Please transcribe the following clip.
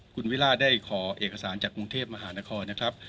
คุณวิล่าได้ขอเอกสารจากกรุงเทพมหานครนะครับ